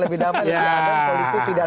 lebih damai lebih damai selalu itu tidak